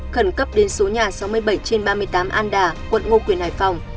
khẩn cấp đến số nhà sáu mươi bảy trên ba mươi tám an đà quận ngô quyền hải phòng